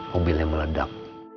mobil yang meledak